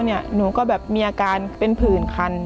หนูก็แบบมีอาการเป็นผื่นคัน